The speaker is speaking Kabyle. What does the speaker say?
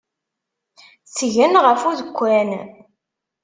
Tgen ɣef udekkan.